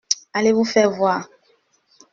Allez vous faire voir.